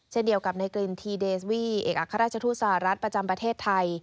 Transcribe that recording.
เช่นเดียวกับในกลิ่นทีเดสวีเอกอัครราชทูตสหรัฐประจำประเทศไทย